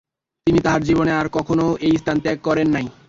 তিনি তাঁহার জীবনে আর কখনও এই স্থান ত্যাগ করেন নাই।